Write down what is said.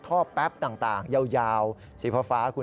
แป๊บต่างยาวสีฟ้าคุณ